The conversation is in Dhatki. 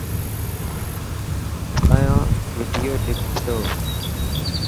اسان يو وڊيو ڏيکو.